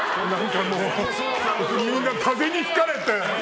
みんな、風に吹かれて。